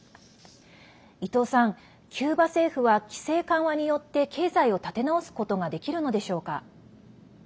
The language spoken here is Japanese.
伊藤さん、キューバ政府は規制緩和によって経済を立て直すことができるのでしょうか？